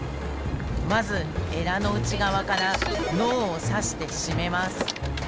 まずエラの内側から脳を刺して締めます